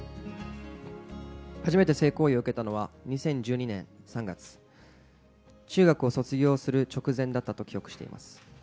初めて性行為を受けたのは２０１２年３月、中学を卒業する直前だったと記憶しています。